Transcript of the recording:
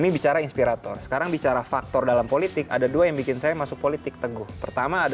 berita terkini dari kpum